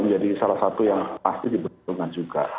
menjadi salah satu yang pasti diperhitungkan juga